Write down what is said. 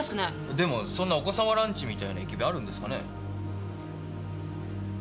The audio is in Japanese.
でもそんな「お子様ランチ」みたいな駅弁あるんですかね？